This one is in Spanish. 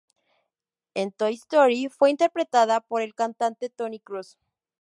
En Toy Story fue interpretada por el cantante Tony Cruz.